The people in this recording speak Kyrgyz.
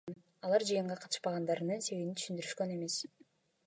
Алар жыйынга катышпагандырынын себебин түшүндүрүшкөн эмес.